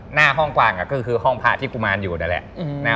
หน้าห้องกวางก็คือห้องพระที่กุมารอยู่นั่นแหละ